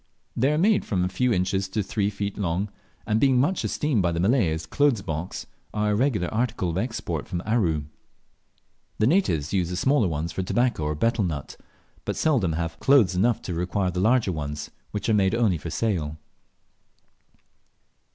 They are made from a few inches to two or three feet long, and being much esteemed by the Malay as clothes boxes, are a regular article of export from Aru. The natives use the smaller ones for tobacco or betel nut, but seldom have clothes enough to require the larger ones, which are only made for sale.